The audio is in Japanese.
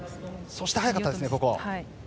そして速かったですね。